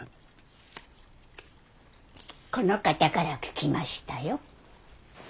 この方から聞きましたよ。